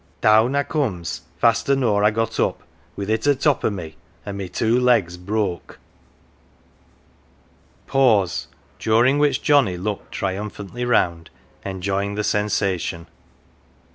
Down I comes faster nor I got up, with it a top o' me, an" 1 my two legs broke !" Pause, during which Johnnie looked triumphantly round, enjoying the sensation.